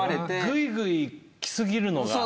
ぐいぐいき過ぎるのが。